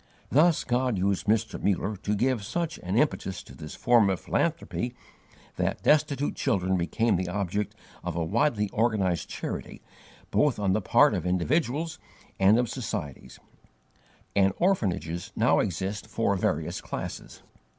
Thus God used Mr. Muller to give such an impetus to this form of philanthropy, that destitute children became the object of a widely organized charity both on the part of individuals and of societies, and orphanages now exist for various classes.